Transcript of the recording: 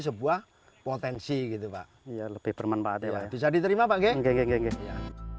sebuah potensi gitu pak iya lebih bermanfaat ya bisa diterima pakai genggih genggi ya